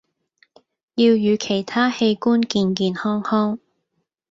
要讓其他器官健健康康